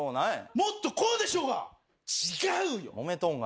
もっとこうでしょうが。